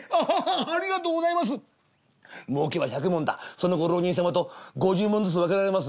そのご浪人様と五十文ずつ分けられます」。